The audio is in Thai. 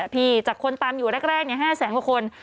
จากคนตามอยู่แรก๕แสนกว่าคน